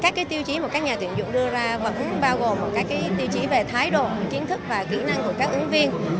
các tiêu chí mà các nhà tuyển dụng đưa ra vẫn bao gồm các tiêu chí về thái độ kiến thức và kỹ năng của các ứng viên